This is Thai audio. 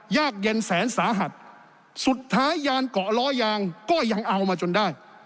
ยากเย็นแสนสาหัสสุดท้ายยานเกาะล้อยางก็ยังเอามาจนได้